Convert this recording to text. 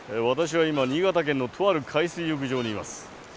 私は今新潟県のとある海水浴場にいます。